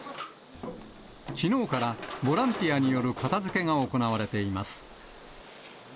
きのうからボランティアによる片づけが行われています。